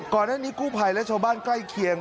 ก่อนหน้านี้กู้ภัยและชาวบ้านใกล้เคียง